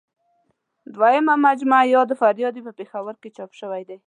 دویمه مجموعه یاد فریاد یې په پېښور کې چاپ شوې ده.